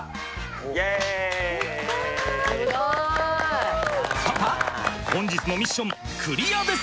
すごい！パパ本日のミッションクリアです！